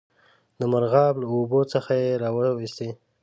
د مرغاب له اوبو څخه یې را وایستی.